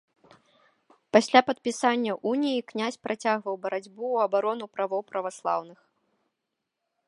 Пасля падпісання уніі князь працягваў барацьбу ў абарону правоў праваслаўных.